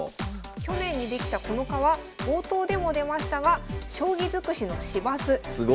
去年に出来たこの課は冒頭でも出ましたが将棋尽くしの市バスすごい！